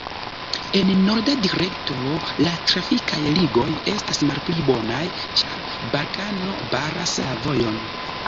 En norda direkto la trafikaj ligoj estas malpli bonaj, ĉar Balkano baras la vojon.